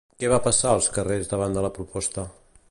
Què va passar als carrers davant de la proposta?